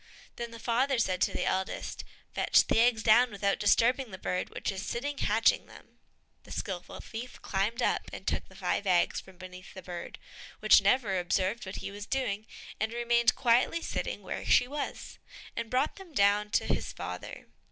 Then the father said to the eldest, "Fetch the eggs down without disturbing the bird which is sitting hatching them." The skillful thief climbed up, and took the five eggs from beneath the bird, which never observed what he was doing, and remained quietly sitting where she was, and brought them down to his father.